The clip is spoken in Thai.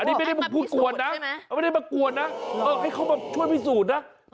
อันนี้ไม่ได้พูดกวนนะไม่ได้มากวนนะให้เขามาช่วยพิสูจน์นะ